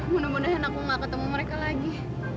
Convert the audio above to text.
mudah mudahan aku gak ketemu mereka lagi